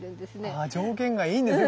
ああ条件がいいんですね